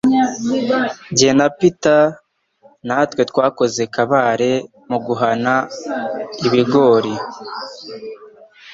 Jye na Peter natwe twakoze kabare muguhana ibigori